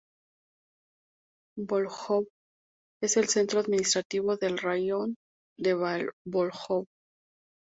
Vóljov es el centro administrativo del raión de Vóljov.